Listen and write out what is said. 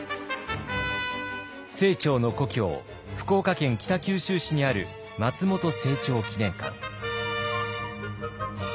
清張の故郷福岡県北九州市にある松本清張記念館。